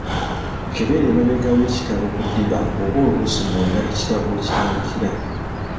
Kebera emabega w'ekitabo ku ddiba oba oluusi munda ekitabo weekitandikira.